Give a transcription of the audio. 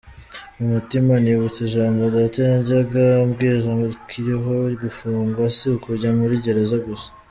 Mu mutima, nibutse ijambo data yajyaga ambwira, akiriho: «gufungwa si ukujya muri gereza gusa».